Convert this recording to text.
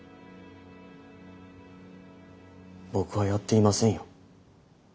僕はやっていませんよ。